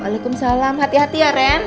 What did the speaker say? waalaikumsalam hati hati ya rem